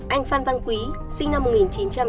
anh phan văn quý sinh năm một nghìn chín trăm tám mươi